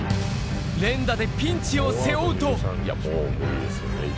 連打でピンチを背負うと。